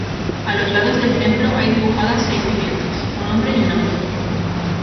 A los lados del templo hay dibujadas seis viviendas, un hombre y una mujer.